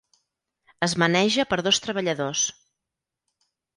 Es maneja per dos treballadors.